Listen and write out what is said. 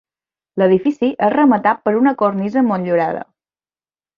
L'edifici és rematat per una cornisa motllurada.